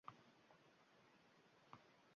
Tojmahalni